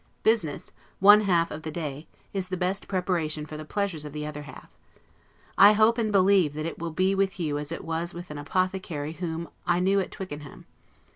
Business, one half of the day, is the best preparation for the pleasures of the other half. I hope, and believe, that it will be with you as it was with an apothecary whom I knew at Twickenham.